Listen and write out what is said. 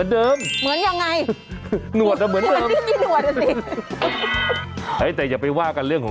จำหน้าเขาไว้นะคะจำดีค่ะ